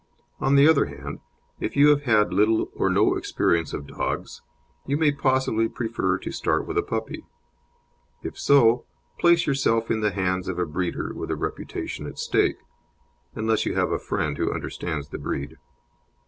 On the other hand, if you have had little or no experience of dogs, you may possibly prefer to start with a puppy. If so, place yourself in the hands of a breeder with a reputation at stake (unless you have a friend who understands the breed).